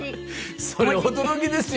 それ驚きですよ！